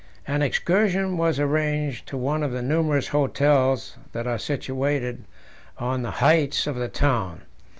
An excursion was arranged to one of the numerous hotels that are situated on the heights about the town.